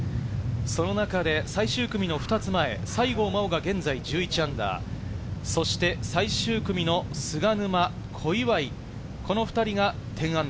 その中で最終組の２つ前、西郷真央が現在−１１、そして最終組の菅沼、小祝、この２人が−１０。